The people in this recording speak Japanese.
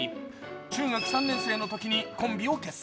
中学３年生のときにコンビを結成。